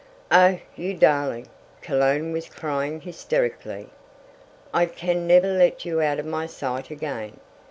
"Oh, you darling!" Cologne was crying hysterically. "I can never let you out of my sight again!